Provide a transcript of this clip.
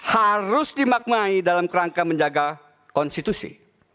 harus dimaknai dalam kerangka menjaga konstitusi